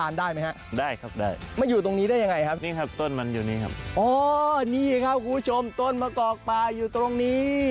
นี่ครับคุณผู้ชมต้นมะกอกปลาอยู่ตรงนี้